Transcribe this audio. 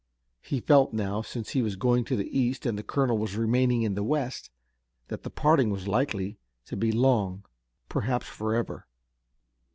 He felt now, since he was going to the east and the colonel was remaining in the west, that the parting was likely to be long perhaps forever.